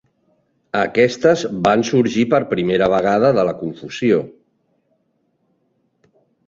Aquestes van sorgir per primera vegada de la confusió.